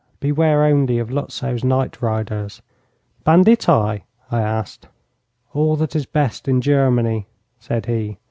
Beware only of Lutzow's night riders!' 'Banditti?' I asked. 'All that is best in Germany,' said he.